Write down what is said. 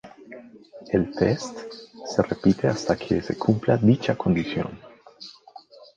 El test se repite hasta que se cumpla dicha condición.